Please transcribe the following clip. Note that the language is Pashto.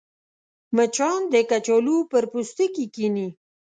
مچان د کچالو پر پوستکي کښېني